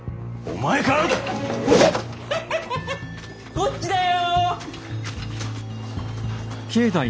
こっちだよ！